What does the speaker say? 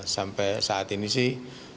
sampai saat ini sih